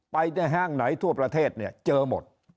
ไปในห้างไหนทั่วประเทศเนี่ยเจอหมด